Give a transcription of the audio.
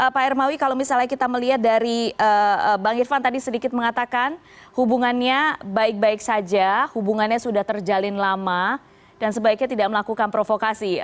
pak hermawi kalau misalnya kita melihat dari bang irvan tadi sedikit mengatakan hubungannya baik baik saja hubungannya sudah terjalin lama dan sebaiknya tidak melakukan provokasi